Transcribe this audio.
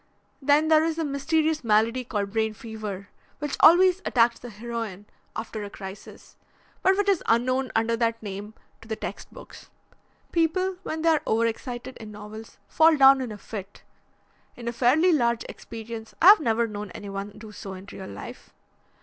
Then there is the mysterious malady called brain fever, which always attacks the heroine after a crisis, but which is unknown under that name to the text books. People when they are over excited in novels fall down in a fit. In a fairly large experience I have never known anyone do so in real life.